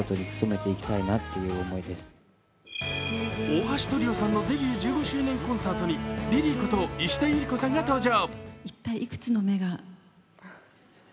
大橋トリオさんのデビュー１５周年コンサートにｌｉｌｙこと石田ゆり子さんが登場。